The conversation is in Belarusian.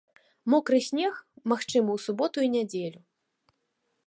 Мокры снег магчымы ў суботу і нядзелю.